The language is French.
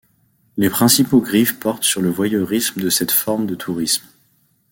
Les principaux griefs portent sur le voyeurisme de cette forme de tourisme.